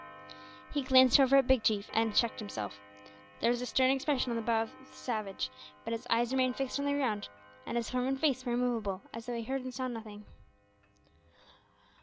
He glanced, however, at Big Chief, and checked himself. There was a stern expression on the brow of the savage, but his eyes remained fixed on the ground, and his form and face were immovable, as though he heard and saw nothing.